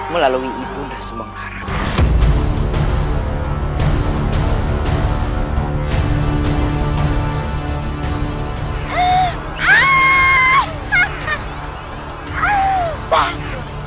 melalui ibu dan semua orang